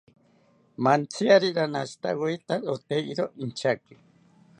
Mantziyari ranashitaweta oteyiro inchaki